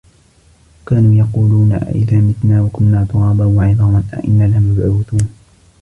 وكانوا يقولون أئذا متنا وكنا ترابا وعظاما أإنا لمبعوثون